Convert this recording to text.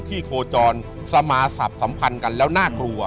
โคจรสมาศัพท์สัมพันธ์กันแล้วน่ากลัว